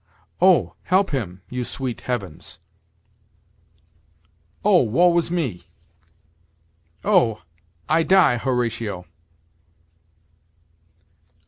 "Oh, help him, you sweet heavens!" "Oh, woe is me!" "Oh! I die, Horatio."